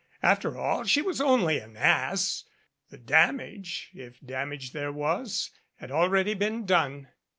After all, she was only an ass ! The damage, if damage there was, had already been done.